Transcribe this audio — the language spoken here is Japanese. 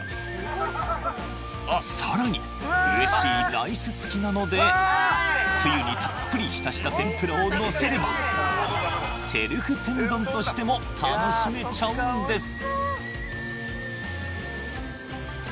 さらにうれしいライスつきなのでつゆにたっぷりひたした天ぷらをのせればセルフ天丼としても楽しめちゃうんです